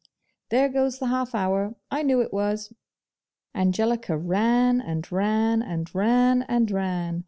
There goes the half hour. I knew it was.' Angelica ran, and ran, and ran, and ran.